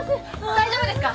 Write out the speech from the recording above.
大丈夫ですか！？